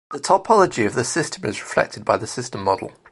The topology of the system is reflected by the "system model".